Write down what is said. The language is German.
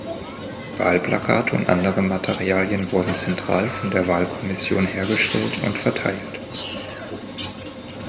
Wahlplakate und andere Materialien wurden zentral von der Wahlkommission hergestellt und verteilt.